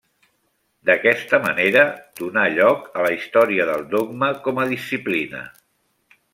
D'aquesta manera donà lloc a la història del dogma com a disciplina.